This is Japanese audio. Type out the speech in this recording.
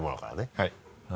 はい。